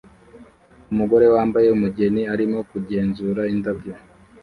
Umugore wambaye umugeni arimo kugenzura indabyo